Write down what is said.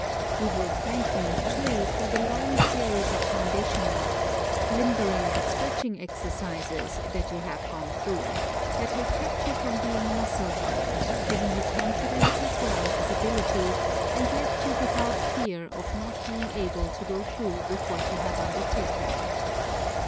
You will thank me, too, for the long series of foundation work, limbering and stretching exercises, that you have gone through, that have kept you from being muscle bound, given you confidence as well as ability, and left you without fear of not being able to go through with what you have undertaken.